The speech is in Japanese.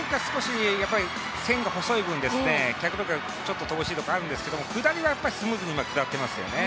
線が細い分、脚力がちょっと乏しいところがあるんですが、下りはやっぱりスムーズに下ってますよね。